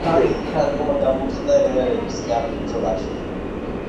თან დიდი თანადგომა გამოუცხადა ირანელების წინააღმდეგ ბრძოლაში.